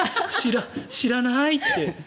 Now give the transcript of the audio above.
知らないって。